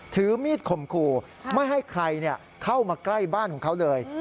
ถือมีดข่มขู่ไม่ให้ใครเข้ามาใกล้บ้านของเขาเลย